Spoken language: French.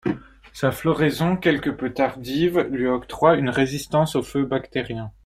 Sa floraison quelque peu tardive lui octroie une résistance au feu bactérien.